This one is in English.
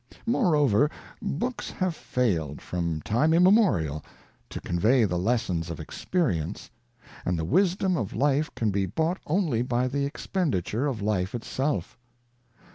Moreover, books have failed, from time immemorial, to convey the lessons of experience ; and the wisdom of life can be bought only by the expenditure of life itself.